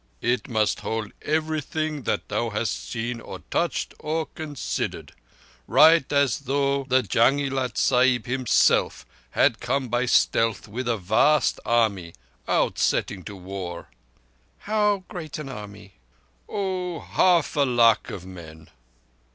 "It must hold everything that thou hast seen or touched or considered. Write as though the Jung i Lat Sahib himself had come by stealth with a vast army outsetting to war." "How great an army?" "Oh, half a lakh of men."